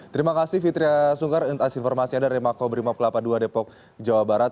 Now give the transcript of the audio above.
terima kasih fitri asungkar untuk informasi dari makobrimob kelapa ii depok jawa barat